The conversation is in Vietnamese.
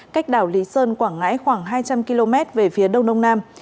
cách đảo lý sơn quảng ngãi khoảng hai trăm linh km về phía đông đông nam